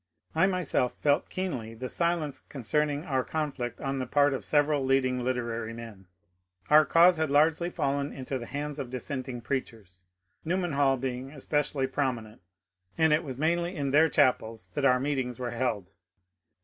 I myself felt keenly the silence concerning our con flict on the part of several leading literary men. Our cause had largely fallen into the hands of dissenting preachers, Newman Hall being especially prominent, and it was mainly in their chapels that our meetings were held.